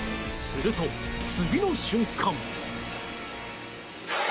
すると、次の瞬間。